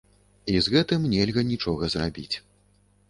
І з гэтым нельга нічога зрабіць.